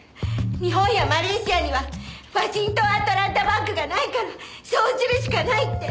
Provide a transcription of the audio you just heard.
日本やマレーシアにはワシントン・アトランタ・バンクがないからそうするしかないって！